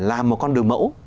làm một con đường mẫu